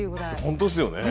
本当っすよね。